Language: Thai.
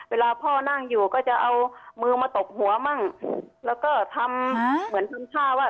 เวลาพ่อนั่งอยู่ก็จะเอามือมาตบหัวมั่งแล้วก็ทำเหมือนทำท่าว่า